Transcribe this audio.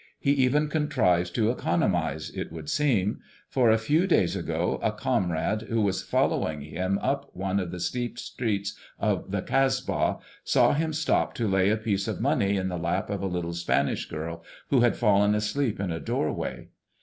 He even contrives to economize, it would seem; for a few days ago a comrade, who was following him up one of the steep streets of the Kasba, saw him stop to lay a piece of money in the lap of a little Spanish girl who had fallen asleep in a doorway.